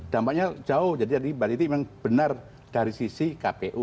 dampaknya jauh jadi pak diti memang benar dari sisi kpu